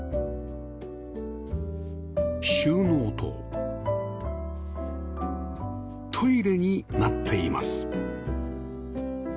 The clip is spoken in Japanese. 収納とトイレになっています